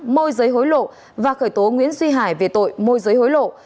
môi giới hối lộ và khởi tố nguyễn duy hải về tội môi giới hối lộ